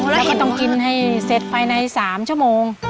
แล้วก็ต้องกินให้เสร็จภายใน๓ชั่วโมง